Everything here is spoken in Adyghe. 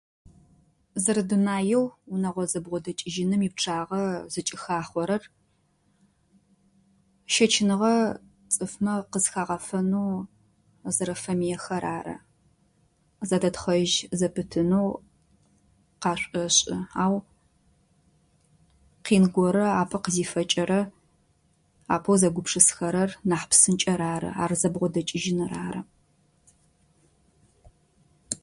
Зэрэ дунаеу унэгъо зэбгъо дэкӏыжьыным и пчъагъэ зыкӏыхахъорэр, щэчъыныгъэ цӏыфмэ къызхагъэфэнэу зэрэфэмыехэр ары. Зэдэтхъэжь зэпытынэу къашӏуӏэшӏы. Ау къины горэ апэ къызифэкӏэрэ апэу зэгупшысхэрэр нахь псынкӏэр ары. Ар зэбгъо дэкӏыжьыныр ары.